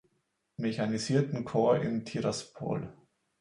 Mechanisierten Korps in Tiraspol.